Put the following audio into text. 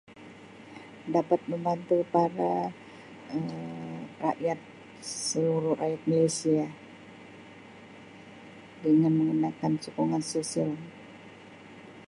Dapat membantu para Um rakyat seluruh rakyat Malaysia dengan menggunakan sokongan sosial.